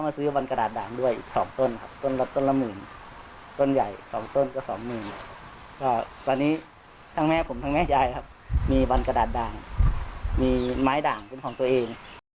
มีบรรกดาดด่างมีไม้ด่างของสองตัวเอง